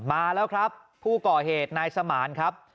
มาแล้วครับผู้ก่อเหตุนายสมานครับ